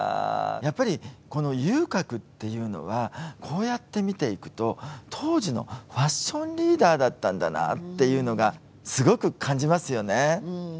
やっぱり、この遊郭っていうのはこうやって見ていくと当時のファッションリーダーだったんだなっていうのがすごく感じますよね。